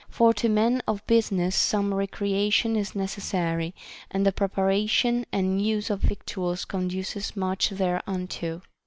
For to men of business some recreation is neces sary, and the preparation and use of victuals conduces much thereunto.